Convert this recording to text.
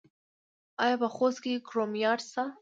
آیا په خوست کې کرومایټ شته؟